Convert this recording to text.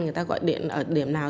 người ta gọi điện ở điểm nào